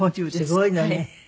すごいのね。